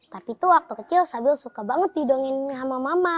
tapi tuh waktu kecil sabil suka banget didongeng sama mama